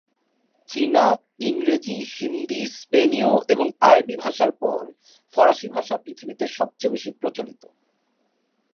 চীনা, ইংরেজি, হিন্দি, স্পেনীয় এবং আরবি ভাষার পর ফরাসি ভাষা পৃথিবীতে সবচেয়ে বেশি প্রচলিত।